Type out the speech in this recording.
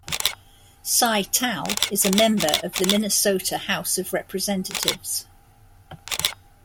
Cy Thao is a member of the Minnesota House of Representatives.